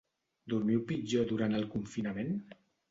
Dormiu pitjor durant el confinament?